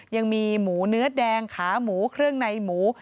ยังมีหมูเนื้อแดงขาหมูเครื่องในหมู